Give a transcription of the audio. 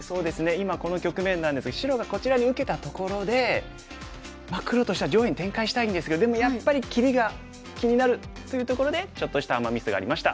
今この局面なんですが白がこちらに受けたところで黒としては上辺に展開したいんですけどでもやっぱり切りが気になるというところでちょっとしたアマ・ミスがありました。